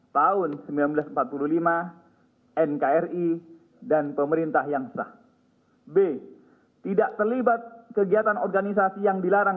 tahun seribu sembilan ratus empat puluh lima nkri dan pemerintah yang sah b tidak terlibat kegiatan organisasi yang dilarang